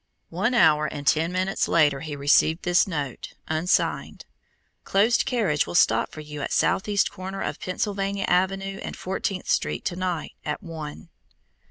One hour and ten minutes later he received this note, unsigned: "Closed carriage will stop for you at southeast corner of Pennsylvania Avenue and Fourteenth Street to night at one."